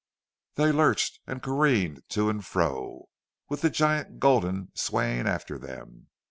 They lurched and careened to and fro, with the giant Gulden swaying after them.